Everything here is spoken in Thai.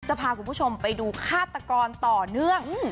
จะพาผู้ชมให้ดูฆาตกรต่อเนื่อง